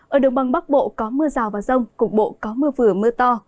ở đồng bằng bắc bộ có mưa rào và rông cục bộ có mưa vừa mưa to